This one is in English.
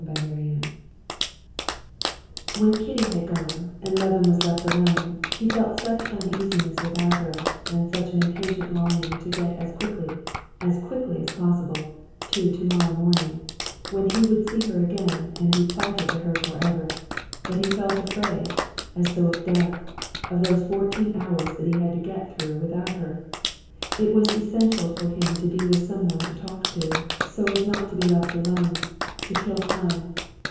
Chapter 14 When Kitty had gone and Levin was left alone, he felt such uneasiness without her, and such an impatient longing to get as quickly, as quickly as possible, to tomorrow morning, when he would see her again and be plighted to her forever, that he felt afraid, as though of death, of those fourteen hours that he had to get through without her. It was essential for him to be with someone to talk to, so as not to be left alone, to kill time.